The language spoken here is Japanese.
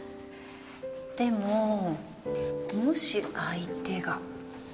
でももし相手が